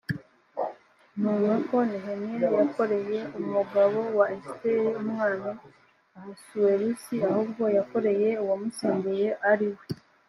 nt uga ko nehemiya yakoreye umugabo wa esiteri umwami ahasuwerusi ahubwo yakoreye uwamusimbuye ari we